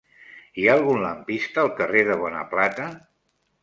Hi ha algun lampista al carrer de Bonaplata?